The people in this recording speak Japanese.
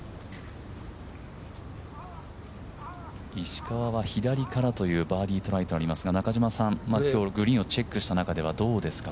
石川は左からというバーディートライになりますが今日グリーンをチェックした中ではどうですか？